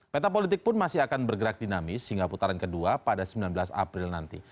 peta politik pun masih akan bergerak dinamis hingga putaran kedua pada sembilan belas april nanti